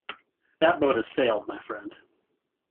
That boat has sailed, my friend.